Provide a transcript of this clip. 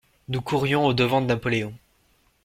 Nous courions au-devant de Napoléon.